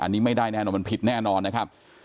อันนี้ไม่ได้แน่นอนมันผิดแน่นอนนะครับ